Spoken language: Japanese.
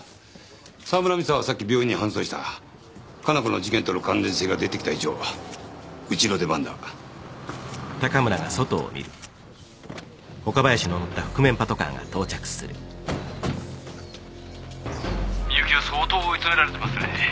沢村美沙はさっき病院に搬送した加奈子の事件との関連性が出てきた以上うちの出番だ・・美雪は相当追い詰められてますね